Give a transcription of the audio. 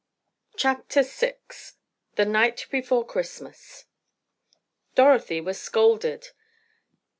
CHAPTER VI THE NIGHT BEFORE CHRISTMAS Dorothy was scolded.